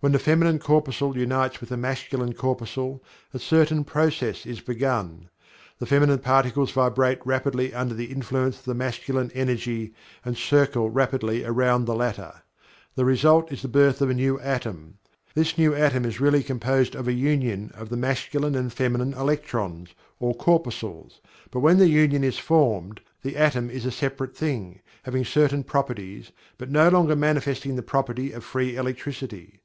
When the Feminine corpuscle unites with a Masculine corpuscle, a certain process is begun. The Feminine particles vibrate rapidly under the influence of the Masculine energy, and circle rapidly around the latter. The result is the birth of a new atom. This new atom is really composed of a union of the Masculine and Feminine electrons, or corpuscles, but when the union is formed the atom is a separate thing, having certain properties, but no longer manifesting the property of free electricity.